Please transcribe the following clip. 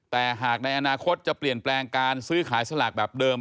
แต่หากในอนาคตจะเปลี่ยนแปลงการซื้อขายสลากแบบเดิม